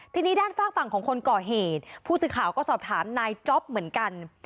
ทีนี้ด้านฝากฝั่งของคนก่อเหตุผู้สื่อข่าวก็สอบถามนายจ๊อปเหมือนกัน